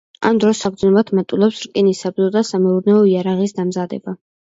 ამ დროს საგრძნობლად მატულობს რკინის საბრძოლო და სამეურნეო იარაღის დამზადება.